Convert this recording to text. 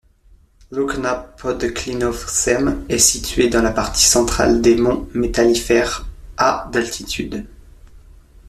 Loučná pod Klínovcem est située dans la partie centrale des monts Métallifères, à d'altitude.